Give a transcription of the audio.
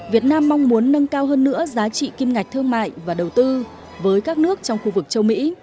việt nam mong muốn nâng cao hơn nữa giá trị kim ngạch thương mại và đầu tư với các nước trong khu vực châu mỹ